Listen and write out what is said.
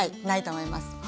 ないと思います。